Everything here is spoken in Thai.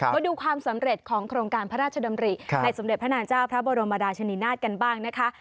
มาดูความสำเร็จของโครงการพระราชดำริในสมเด็จพระนางเจ้าพระบรมราชนีนาฏกันบ้างนะคะ